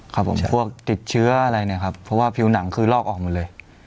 ครับผมพวกติดเชื้ออะไรเนี่ยครับเพราะว่าผิวหนังคือลอกออกมาเลย